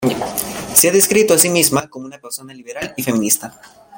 Se ha descrito a sí misma como una persona liberal y feminista.